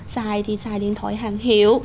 xài thì xài điện thoại hàng hiệu